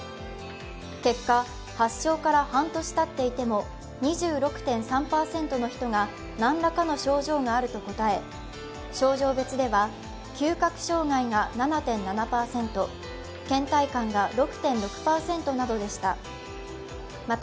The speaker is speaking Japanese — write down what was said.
結果、発症から半年たっていても２６．３％の人が何らかの症状があると答え、症状別では嗅覚障害が７．７％、けん怠感が６．６％などでした。